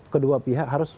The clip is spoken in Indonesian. kedua pihak harus